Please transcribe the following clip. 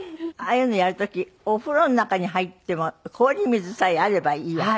ああいうのやる時お風呂の中に入っても氷水さえあればいいわけ？